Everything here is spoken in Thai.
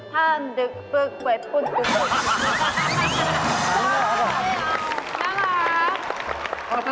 ท่านดึกปึกเวทปุ่นตึก